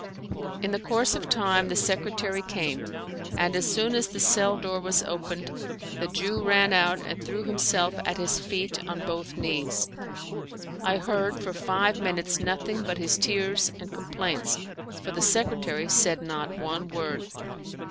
In course of time the secretary came, and as soon as the cell door was opened the Jew ran out and threw himself at his feet on both knees, I heard for five minutes nothing but his tears and complaints, for the secretary said not one word.